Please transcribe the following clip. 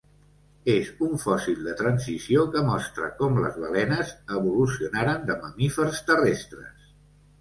És un fòssil de transició que mostra com les balenes evolucionaren de mamífers terrestres.